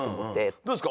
どうですか？